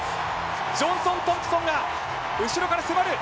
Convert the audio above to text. ジョンソン・トンプソンが後ろから迫る。